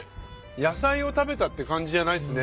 野菜を食べたって感じじゃないですね。